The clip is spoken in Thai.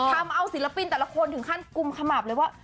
ทำเอาศิลปินแต่ละคนถึงขั้นกุมขมับเลยว่า